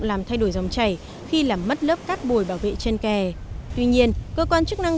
làm thay đổi dòng chảy khi làm mất lớp cát bồi bảo vệ chân kè tuy nhiên cơ quan chức năng